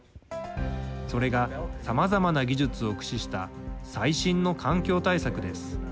それが、さまざまな技術を駆使した、最新の環境対策です。